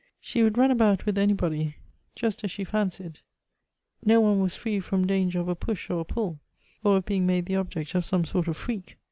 She would run about with any body, just as she fancied ; no one was free from danger of a push or a pull, or of being made the object of some sort of freak.